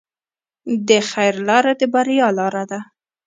د خیر لاره د بریا لاره ده.